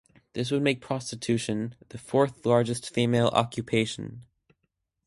This would make prostitution the fourth-largest female occupation.